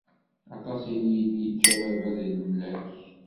Aṭas i yi-d-yeǧǧa baba d lemlak.